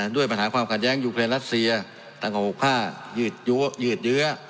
ด้วยปัญหาความขายแย้งยูเครนรัซเซียต่างก็๖๕ยืดเหยื้อ